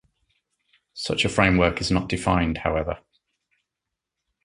Such a framework is not defined, however.